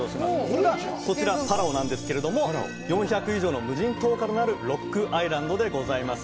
それがこちらパラオなんですけれども４００以上の無人島からなるロックアイランドでございます